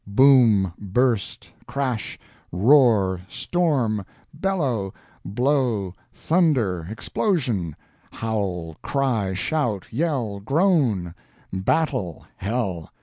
Boom, burst, crash, roar, storm, bellow, blow, thunder, explosion; howl, cry, shout, yell, groan; battle, hell.